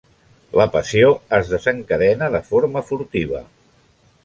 La passió es desencadena de forma furtiva.